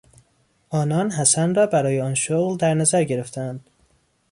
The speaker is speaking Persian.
آنان حسن را برای آن شغل در نظر گرفته اند.